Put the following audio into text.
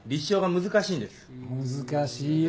難しいよ。